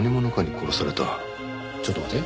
ちょっと待て。